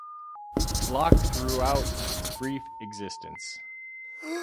Locke throughout its brief existence.